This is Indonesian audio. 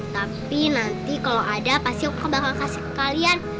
tapi nanti kalau ada pasti aku bakal kasih ke kalian